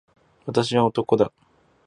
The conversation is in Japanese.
私は男だ。